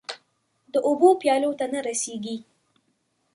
د اوبو پیالو ته نه رسيږې